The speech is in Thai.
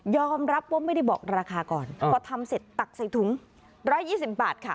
รับว่าไม่ได้บอกราคาก่อนพอทำเสร็จตักใส่ถุง๑๒๐บาทค่ะ